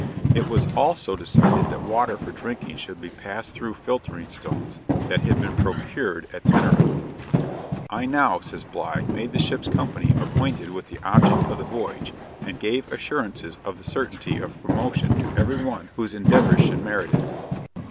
It was also decided that water for drinking should be passed through filtering stones that had been procured at Teneriffe. 'I now,' says Bligh, 'made the ship's company acquainted with the object of the voyage, and gave assurances of the certainty of promotion to every one whose endeavours should merit it.'